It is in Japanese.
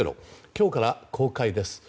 今日から公開です。